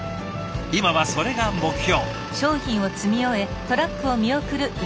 今はそれが目標。